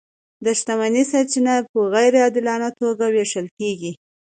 د شتمنۍ سرچینې په غیر عادلانه توګه وېشل کیږي.